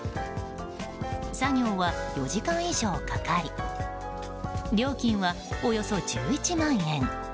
作業は４時間以上かかり料金は、およそ１１万円。